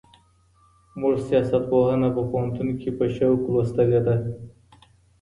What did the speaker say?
موږ سياست پوهنه په پوهنتون کي په شوق لوستلې ده.